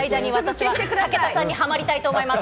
武田さんにハマりたいと思います。